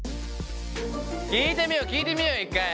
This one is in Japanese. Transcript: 聞いてみよう聞いてみよう一回。